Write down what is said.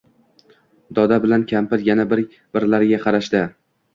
Doda bilan kampir yana bir birlariga qarashadi.